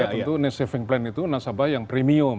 tentu nesaving plan itu nasabah yang premium